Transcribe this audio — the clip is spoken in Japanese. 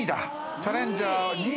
チャレンジャー２位。